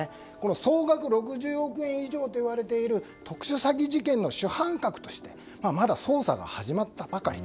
総額６０億円以上といわれている特殊詐欺事件の主犯格として捜査が始まったばかり。